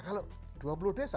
kalau dua puluh desa